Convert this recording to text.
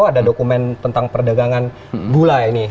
ada dokumen tentang perdagangan gula ini